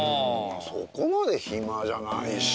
そこまで暇じゃないし。